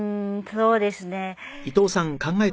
そうですね。